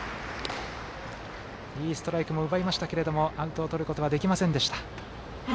いいストライクも奪いましたがアウトをとることができませんでした。